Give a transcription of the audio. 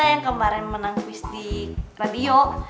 yang kemarin menang quiz di radio